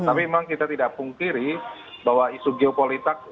tapi memang kita tidak pungkiri bahwa isu geopolitik